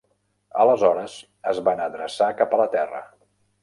Aleshores es van adreçar cap a la Terra.